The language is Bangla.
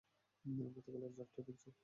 গতকালের ঝড়টা দেখেছ?